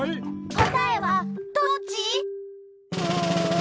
こたえはどっち？